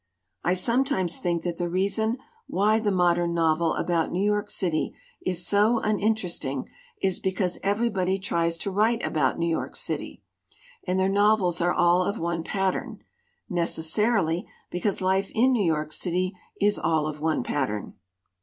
"I sometimes think that the reason why the modern novel about New York City is so unin teresting is because everybody tries to write about New York City. And their novels are all of one pattern necessarily, because life in New York City is all of one pattern.